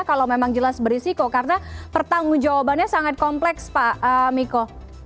kalau memang jelas berisiko karena pertanggung jawabannya sangat kompleks pak miko